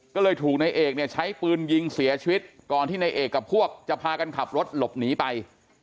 ก็เลยถูกนายเอกเนี่ยใช้ปืนยิงเสียชีวิตก่อนที่ในเอกกับพวกจะพากันขับรถหลบหนีไป